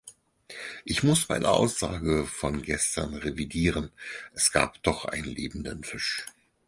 Ich muss meine Aussage von gestern revidieren, es gab doch einen lebenden Fisch.